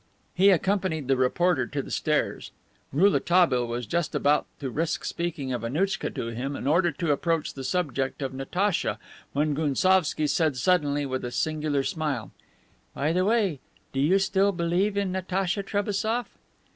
He accompanied the reporter to the stairs. Rouletabille was just about to risk speaking of Annouchka to him, in order to approach the subject of Natacha, when Gounsovski said suddenly, with a singular smile: "By the way, do you still believe in Natacha Trebassof?"